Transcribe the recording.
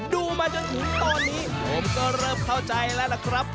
ดูมาจนถึงตอนนี้ผมก็เริ่มเข้าใจแล้วล่ะครับ